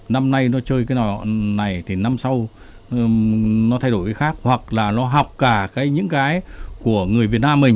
năm nay nó chơi cái nò này thì năm sau nó thay đổi cái khác hoặc là nó học cả những cái của người việt nam mình